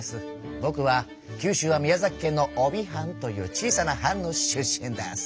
ぼくは九州は宮崎県の飫肥藩という小さな藩の出身です！